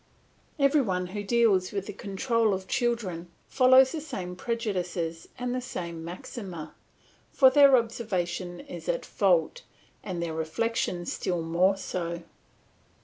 Every one who deals with the control of children follows the same prejudices and the same maxima, for their observation is at fault, and their reflection still more so.